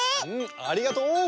ありがとう！